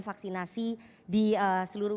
vaksinasi di seluruh